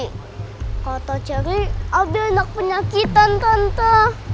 kata ceri abi anak penyakitan tante